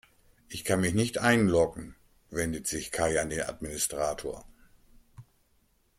Ich kann mich nicht einloggen, wendet sich Kai an den Administrator.